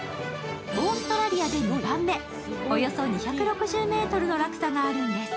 オーストラリアで２番目、およそ２６０ｍの落差があるんです。